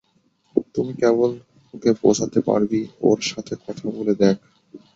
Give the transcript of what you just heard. তুই কেবল ওকে বোঝাতে পারবি, ওর সাথে কথা বলে দেখ।